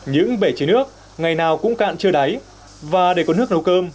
những bể chế nước ngày nào cũng cạn chưa đáy và để có nước nấu cơm